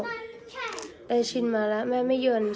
ไปชินมาแล้วแม่ไม่ยนต์